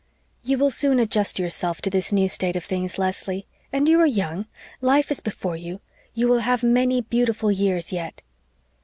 "You will soon adjust yourself to this new state of things, Leslie. And you are young life is before you you will have many beautiful years yet."